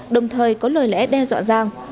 đồng thời có lời lẽ đe dọa giang